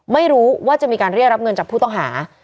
ไม่รู้ว่าจะมีการเรียกรับเงินจากผู้ต้องหา